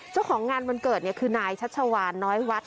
เจ้าของงานวันเกิดคือนายชัชวานน้อยวัด